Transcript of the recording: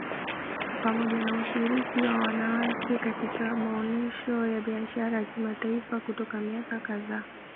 Pamoja na ushiriki wa wanawake katika maonesho ya Biashara ya kimataifa kutoka miaka kadhaa